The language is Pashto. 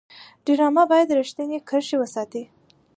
ډرامه باید رښتینې کرښې وساتي